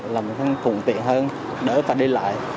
làm thêm khủng tiện hơn đỡ phải đi lại